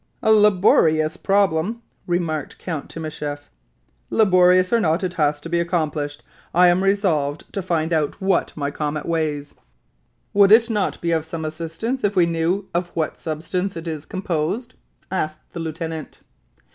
"A laborious problem," remarked Count Timascheff. "Laborious or not, it has to be accomplished. I am resolved to find out what my comet weighs." "Would it not be of some assistance, if we knew of what substance it is composed?" asked the lieutenant.